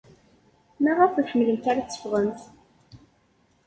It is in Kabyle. Maɣef ur tḥemmlemt ara ad teffɣemt?